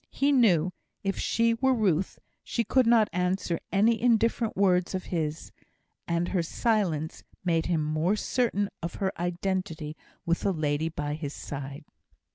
He knew, if she were Ruth, she could not answer any indifferent words of his; and her silence made him more certain of her identity with the lady by his side.